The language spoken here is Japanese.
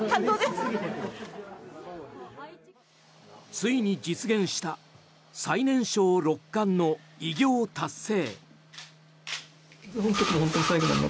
ついに実現した最年少六冠の偉業達成。